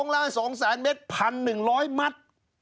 ๒ล้าน๒แสนเมตรพันหนึ่งร้อยมัตร